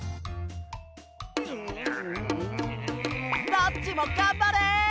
どっちもがんばれ！